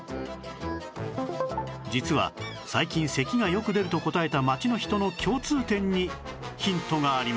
実は最近咳がよく出ると答えた街の人の共通点にヒントがありました